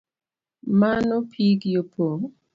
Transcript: Mano pigi opong’?